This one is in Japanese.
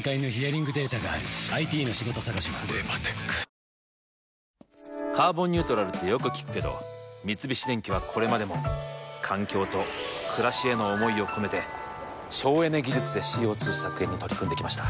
この準決勝、勝てば１４年ぶりの「カーボンニュートラル」ってよく聞くけど三菱電機はこれまでも環境と暮らしへの思いを込めて省エネ技術でＣＯ２削減に取り組んできました。